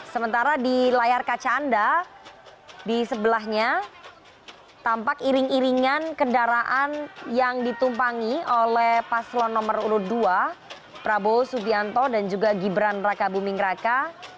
sementara di layar kaca anda di sebelahnya tampak iring iringan kendaraan yang ditumpangi oleh paslon nomor urut dua prabowo subianto dan juga gibran raka buming raka